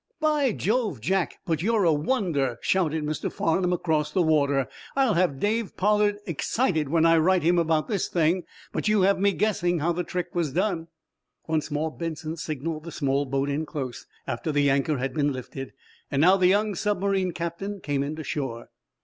"By Jove, Jack, but you're a wonder!" shouted Mr. Farnum across the water. "I'll have Dave Pollard excited when I write him about this thing. But you have me guessing how the trick was done." Once more Benson signaled the small boat in close, after the anchor had been lifted. Now, the young submarine captain came in to shore.